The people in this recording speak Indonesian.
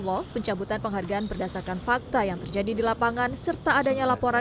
wall pencabutan penghargaan berdasarkan fakta yang terjadi di lapangan serta adanya laporan